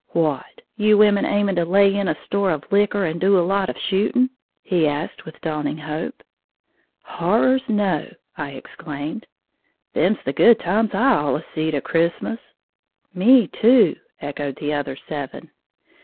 "What, you women aiming to lay in a store of liquor and do a lot of shooting?" he asked, with dawning hope. "Horrors, no!" I exclaimed. "Them's the good times I allus seed a Christmas." "Me, too!" echoed the other eleven.